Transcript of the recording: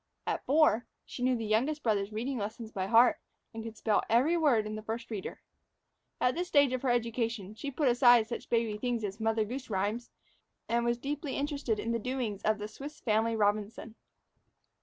At four, she knew the youngest brother's reading lessons by heart, and could spell every word in the First Reader. At this stage of her education, she put aside such baby things as the "Mother Goose Rhymes," and was deeply interested in the doings of the "Swiss Family Robinson."